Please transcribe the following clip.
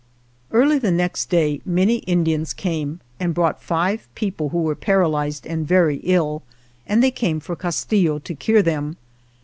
EARLY the next day many Indians came and brought five people who were paralyzed and very ill, and they came for Castillo to cure them.